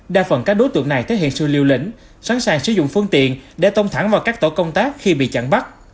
đa phần các đối tượng này thể hiện sự liều lĩnh sẵn sàng sử dụng phương tiện để tông thẳng vào các tổ công tác khi bị chặn bắt